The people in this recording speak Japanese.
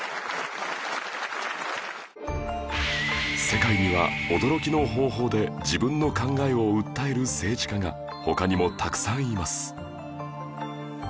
世界には驚きの方法で自分の考えを訴える政治家が他にもたくさんいます